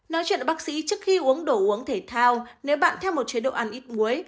nói chuyện với bác sĩ trước khi uống đồ uống thể thao nếu bạn theo một chế độ ăn ít muối